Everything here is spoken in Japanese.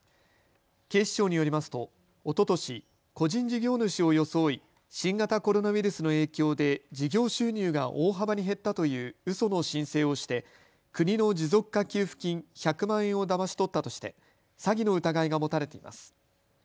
警視庁によりますと、おととし個人事業主を装い新型コロナウイルスの影響で事業収入が大幅に減ったといううその申請をして国の持続化給付金１００万円をだまし取ったとして詐欺の疑いが持たれています。